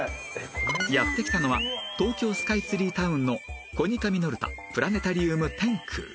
やって来たのは東京スカイツリータウンのコニカミノルタプラネタリウム天空